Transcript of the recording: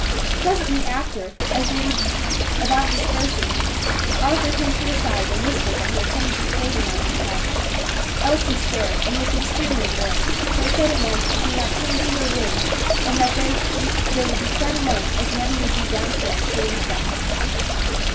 Presently after, as they were about dispersing, Arthur came to her side and whispered that he had something to say to her in private. Elsie started and looked extremely annoyed, but said at once that he might come to her room, and that there they could be quite alone, as mammy would be down stairs getting her breakfast.